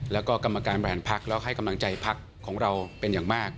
แล้วก็กรรมการบริหารพักแล้วให้กำลังใจพักของเราเป็นอย่างมาก